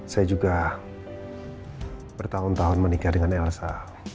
saya juga bertahun tahun menikah dengan elsa